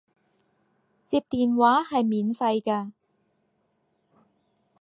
接電話係免費㗎